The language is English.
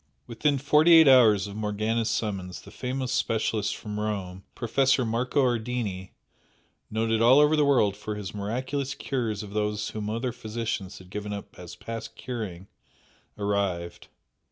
Within forty eight hours of Morgana's summons the famous specialist from Rome, Professor Marco Ardini, noted all over the world for his miraculous cures of those whom other physicians had given up as past curing, arrived.